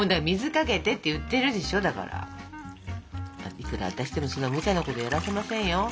いくら私でもそんなむちゃなことやらせませんよ。